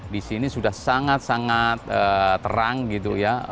di sini sudah sangat sangat terang gitu ya